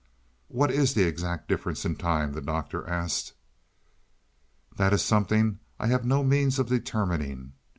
"What is the exact difference in time?" the Doctor asked. "That is something I have had no means of determining.